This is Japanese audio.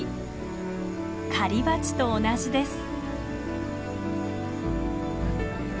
狩りバチと同じです。